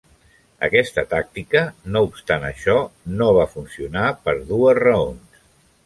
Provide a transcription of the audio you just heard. Aquesta tàctica, no obstant això, no va funcionar per dues raons.